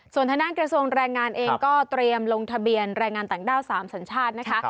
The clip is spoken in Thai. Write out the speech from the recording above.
ส่วนทางด้านกระทรวงแรงงานเองก็เตรียมลงทะเบียนแรงงานต่างด้าว๓สัญชาตินะคะ